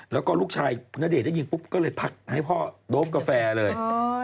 แล้วก็ลูกชายณเดชนได้ยินปุ๊บก็เลยพักให้พ่อโดฟกาแฟเลย